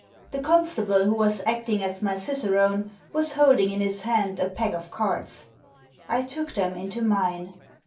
The constable who was acting as my cicerone was holding in his hand a pack of cards. I took them into mine.